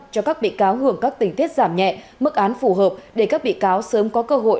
cho các bị cáo hưởng các tình tiết giảm nhẹ mức án phù hợp để các bị cáo sớm có cơ hội